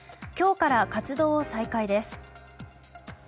今日から活動を再開です。